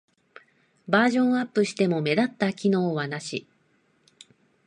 バージョンアップしても目立った機能はなし